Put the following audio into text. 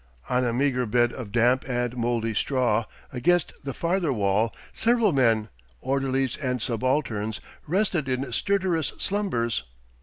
On a meagre bed of damp and mouldy straw, against the farther wall, several men, orderlies and subalterns, rested in stertorous slumbers.